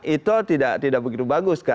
e tol tidak begitu bagus